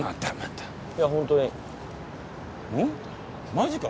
マジか？